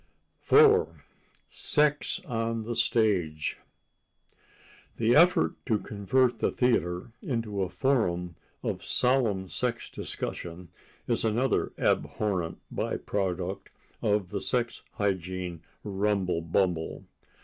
4 Sex on the Stage The effort to convert the theater into a forum of solemn sex discussion is another abhorrent by product of the sex hygiene rumble bumble.